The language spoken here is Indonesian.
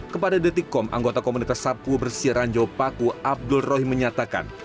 kepada detikom anggota komunitas sapu bersih ranjau paku abdul rohi menyatakan